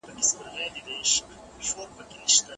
دا نوې وینه به د راتلونکې لپاره حیاتي وي.